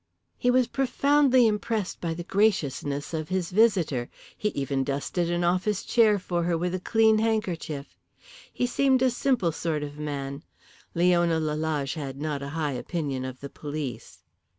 He was profoundly impressed by the graciousness of his visitor. He even dusted an office chair for her with a clean handkerchief. He seemed a simple sort of man. Leona Lalage had not a high opinion of the police.